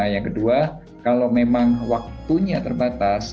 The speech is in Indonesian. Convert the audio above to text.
yang kedua kalau memang waktunya terbatas